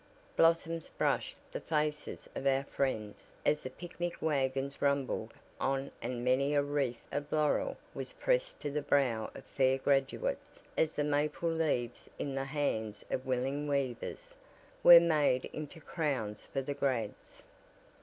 Blossoms brushed the faces of our friends as the picnic wagons rumbled on and many a wreath of "laurel" was pressed to the brow of fair graduates as the maple leaves in the hands of willing weavers, were made into crowns for the "grads."